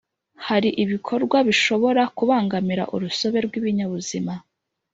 Hari ibikorwa bishobora kubangamira urusobe rw’ibinyabuzima